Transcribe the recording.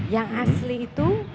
yang asli itu